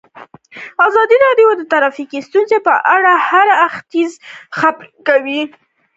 ازادي راډیو د ټرافیکي ستونزې په اړه د هر اړخیز پوښښ ژمنه کړې.